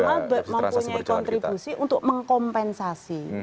yang minimal mempunyai kontribusi untuk mengkompensasi